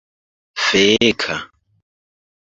feka